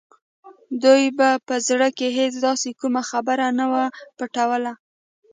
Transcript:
دوی به په زړه کې هېڅ داسې کومه خبره نه وه پټوله